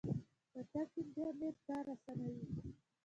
چټک انټرنیټ کار اسانوي.